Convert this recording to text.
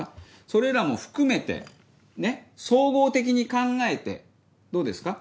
それらも含めて総合的に考えてどうですか？